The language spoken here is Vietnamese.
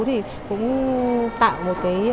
thì cũng tạo một cái